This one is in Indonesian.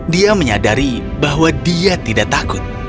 dia menyadari bahwa dia tidak takut